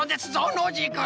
ノージーくん。